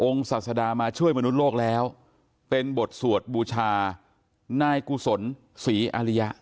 ศาสดามาช่วยมนุษย์โลกแล้วเป็นบทสวดบูชานายกุศลศรีอริยะ